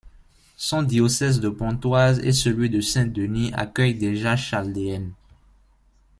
Son diocèse de Pontoise et celui de Saint-Denis accueillent déjà chaldéennes.